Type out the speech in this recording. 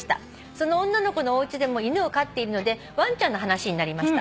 「その女の子のおうちでも犬を飼っているのでワンちゃんの話になりました」